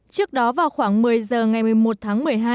trước đó vào khoảng một mươi giờ ngày một mươi một tháng một mươi hai